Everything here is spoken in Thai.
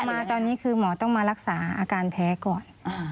มาตอนนี้คือหมอต้องมารักษาอาการแพ้ก่อน